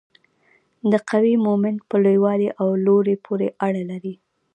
د قوې مومنت په لوی والي او لوري پورې اړه لري.